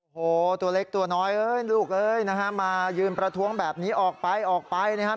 โหตัวเล็กตัวน้อยลูกมายืนประท้วงแบบนี้ออกไปออกไปนะครับ